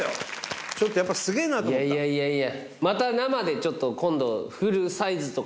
いやいやいやいや